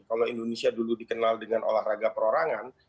kalau indonesia dulu dikenal dengan olahraga perorangan